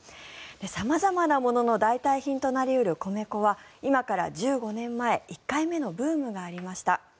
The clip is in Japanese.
様々なものの代替品となり得る米粉は今から１５年前１回目のブームがありました。